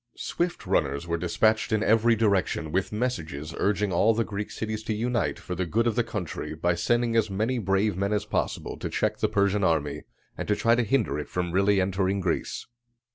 Swift runners were dispatched in every direction with messages urging all the Greek cities to unite for the good of the country by sending as many brave men as possible to check the Persian army, and to try to hinder it from really entering Greece.